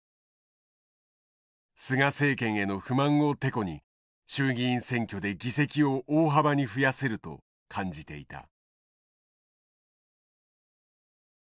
菅政権への不満をテコに衆議院選挙で議席を大幅に増やせると感じていた。